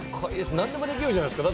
何でもできるじゃないですか。